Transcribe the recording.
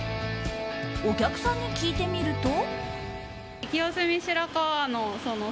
お客さんに聞いてみると。